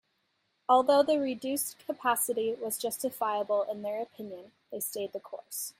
Although the reduced capacity was justifiable in their opinion, they stayed the course.